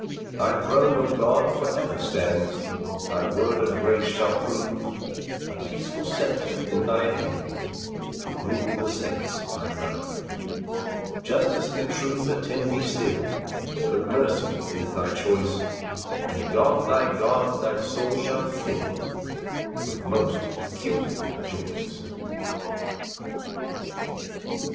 4 Thy throne, O God, for ever stands; Thy word of grace shall prove A peaceful sceptre in thy hands, To rule the saints by love. 5 Justice and truth attend thee still But mercy is thy choice; And God, thy God, thy soul shall fill With most peculiar joys.